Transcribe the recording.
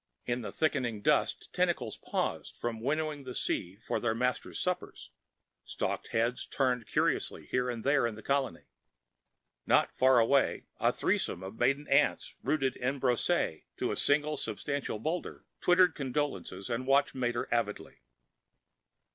In the thickening dusk, tentacles paused from winnowing the sea for their owners' suppers, stalked heads turned curiously here and there in the colony. Not far away, a threesome of maiden aunts, rooted en brosse to a single substantial boulder, twittered condolences and watched Mater avidly.